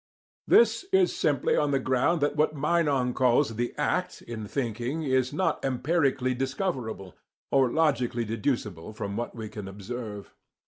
This is simply on the ground that what Meinong calls the act in thinking is not empirically discoverable, or logically deducible from what we can observe.